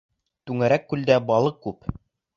Түңәрәк күлдә балыҡ күп.